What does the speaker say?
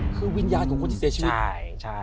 คือวิญญาณของคนที่เสียชีวิตใช่